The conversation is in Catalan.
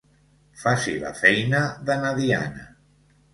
Faci la feina de na Diana.